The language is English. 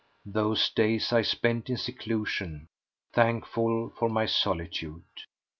Those days I spent in seclusion, thankful for my solitude.